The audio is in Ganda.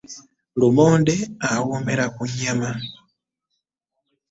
Lumonde awoomera ku nyaama.